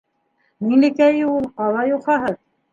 Миңлекәйе ул — ҡала юхаһы.